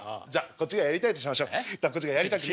こっちがやりたくないとしましょう。